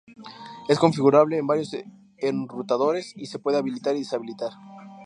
Es configurable en varios enrutadores y se puede habilitar y deshabilitar.